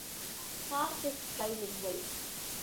Park is trilingual.